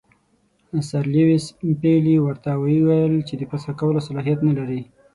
سر لیویس پیلي ورته وویل چې د فسخ کولو صلاحیت نه لري.